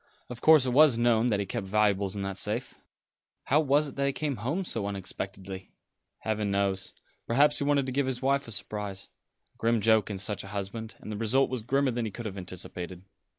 Of course, it was known that he kept valuables in that safe." "How was it that he came home so unexpectedly?" "Heaven knows. Perhaps he wanted to give his wife a surprise a grim joke in such a husband; and the result was grimmer than he could have anticipated."